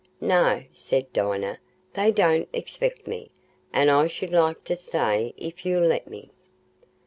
"No," said Dinah, "they don't expect me, and I should like to stay, if you'll let me."